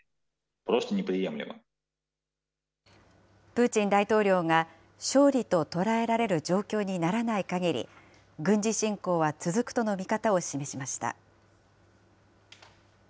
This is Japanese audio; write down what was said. プーチン大統領が勝利と捉えられる状況にならないかぎり、軍事侵攻は続くとの見方を示しました。